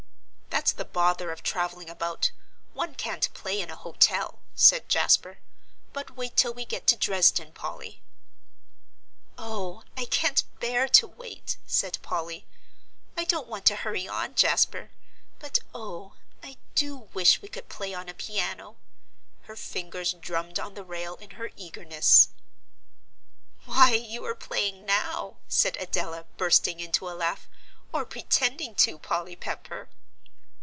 "That's the bother of travelling about; one can't play in a hotel," said Jasper. "But wait till we get to Dresden, Polly." "Oh, I can't bear to wait," said Polly. "I don't want to hurry on, Jasper but oh, I do wish we could play on a piano." Her fingers drummed on the rail in her eagerness. "Why, you are playing now," said Adela, bursting into a laugh, "or pretending to, Polly Pepper."